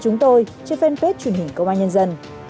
chúng tôi trên fanpage truyền hình công an nhân dân